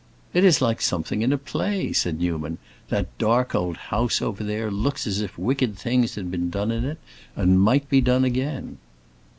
"It is like something in a play," said Newman; "that dark old house over there looks as if wicked things had been done in it, and might be done again."